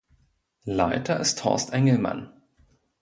Leiter ist Horst Engelmann.